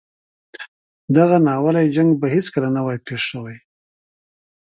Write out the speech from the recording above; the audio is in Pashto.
دغه ناولی جنګ به هیڅکله نه وای پېښ شوی.